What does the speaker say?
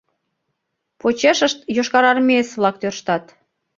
Почешышт йошкарармеец-влак тӧрштат.